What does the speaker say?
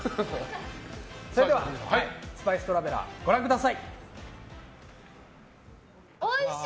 それでは「スパイストラベラー」おいしい！